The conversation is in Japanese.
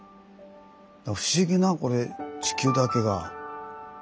不思議なこれ地球だけが。